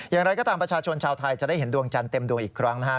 อย่างไรก็ตามประชาชนชาวไทยจะได้เห็นดวงจันทร์เต็มดวงอีกครั้งนะครับ